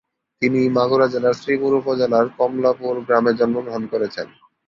তিনি মাগুরা জেলার শ্রীপুর উপজেলার কমলাপুর গ্রামে জন্মগ্রহণ করেছেন।